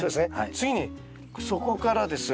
次にそこからですね